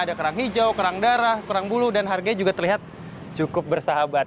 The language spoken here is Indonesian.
ada kerang hijau kerang darah kerang bulu dan harganya juga terlihat cukup bersahabat